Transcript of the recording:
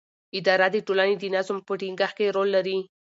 اداره د ټولنې د نظم په ټینګښت کې رول لري.